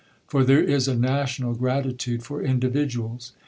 For there is a national gratitude for individuals.